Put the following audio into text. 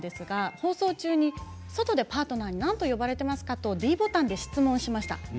放送中に外でパートナーに何と呼ばれていますかとｄボタンで質問しました。